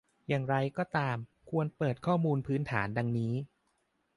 อย่างไรก็ตาม ควรเปิดข้อมูลพื้นฐานดังนี้